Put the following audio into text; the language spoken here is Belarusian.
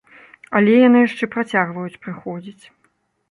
Але яны яшчэ працягваюць прыходзіць.